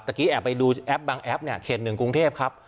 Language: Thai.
ตะกี้แอบไปดูแอปบางแอปเนี่ยเครนหนึ่งกรุงเทพครับ